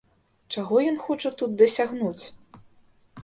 Чаго ён хоча тут дасягнуць?